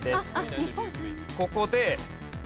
ここで。